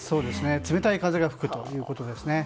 冷たい風が吹くということです。